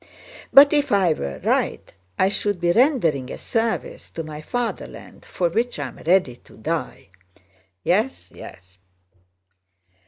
"But if I were right, I should be rendering a service to my Fatherland for which I am ready to die." "Yes, yes."